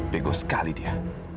bego sekali dia